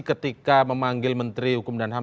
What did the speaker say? ketika memanggil menteri hukum dan ham